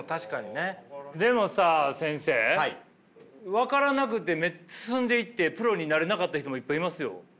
分からなくて進んでいってプロになれなかった人もいっぱいいますよ。